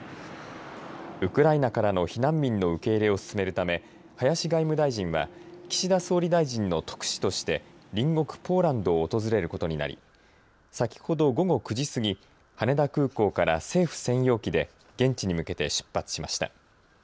ウクライナからの避難民の受け入れを進めるため林外務大臣は岸田総理大臣の特使として隣国ポーランドを訪れることになり先ほど午後９時過ぎ羽田空港から政府専用機で現地に向けて出発しました。